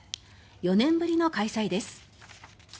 ４年ぶりの開催です。